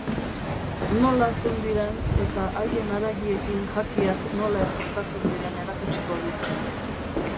Nola hazten diren eta haien haragiekin jakiak nola prestatzen diren erakutsiko dute.